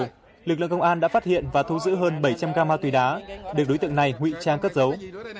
trong đó lực lượng công an đã phát hiện và thu giữ hơn bảy trăm linh gram ma túy đá được đối tượng này nguy trang cất giấu